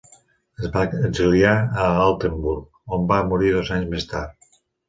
Es va exiliar a Altenburg, on va morir dos anys més tard.